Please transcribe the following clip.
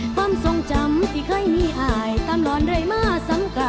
ความทรงจำที่เคยมีอายตามร้อนเรื่อยมาสังกัด